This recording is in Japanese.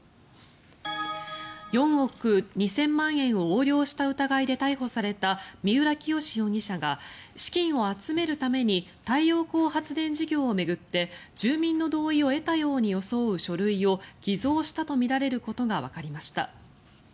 ４億２０００万円を横領した疑いで逮捕された三浦清志容疑者が資金を集めるために太陽光発電事業を巡って住民の同意を得たように装う書類を偽造したとみられることがわかりました。